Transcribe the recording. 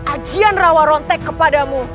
ajian rawa rontek kepadamu